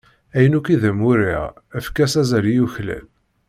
Ayen akk i d am-n-uriɣ efk-as azal i yuklal.